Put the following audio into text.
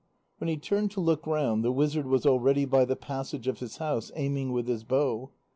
When he turned to look round, the wizard was already by the passage of his house, aiming with his bow.